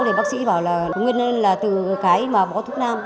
thì bác sĩ bảo là nguyên nhân là từ cái mà bó thức nam